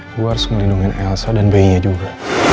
gue harus melindungi elsa dan bayinya juga